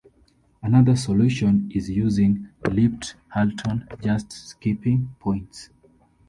Another solution is using leaped Halton, just skipping points.